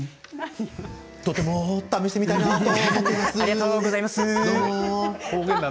とても試してみたいなと思います。